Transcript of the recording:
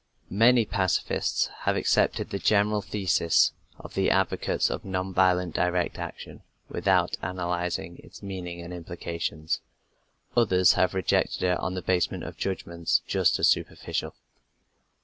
Many pacifists have accepted the general thesis of the advocates of non violent direct action without analyzing its meaning and implications. Others have rejected it on the basis of judgments just as superficial.